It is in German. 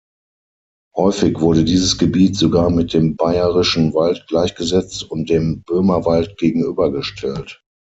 Häufig wurde dieses Gebiet sogar mit dem Bayerischen Wald gleichgesetzt und dem Böhmerwald gegenübergestellt.